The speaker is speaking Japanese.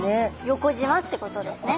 横じまってことですね。